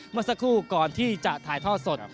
เมื่อสักครู่ก่อนที่จะถ่ายท่อสด